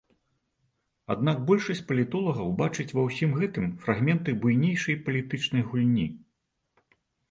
Аднак большасць палітолагаў бачыць ва ўсім гэтым фрагменты буйнейшай палітычнай гульні.